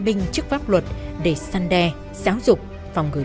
kẻ riêng người